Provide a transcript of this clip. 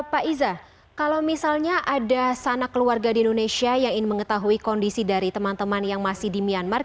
pak iza kalau misalnya ada sanak keluarga di indonesia yang ingin mengetahui kondisi dari teman teman yang masih di myanmar